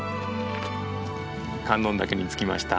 観音岳に着きました。